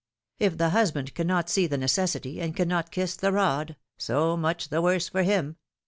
If the husband cannot see the necessity, and cannot kiss the rod, so much the worse for him.